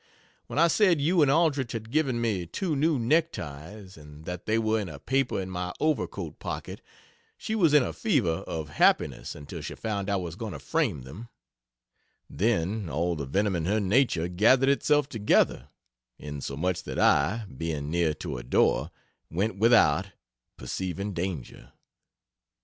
When I said you and Aldrich had given me two new neck ties, and that they were in a paper in my overcoat pocket, she was in a fever of happiness until she found I was going to frame them; then all the venom in her nature gathered itself together, insomuch that I, being near to a door, went without, perceiving danger.